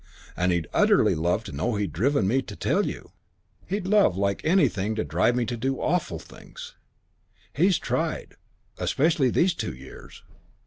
And he'd utterly love to know he'd driven me to tell you. He'd think he'd love like anything to drive me to do awful things. He's tried especially these two years.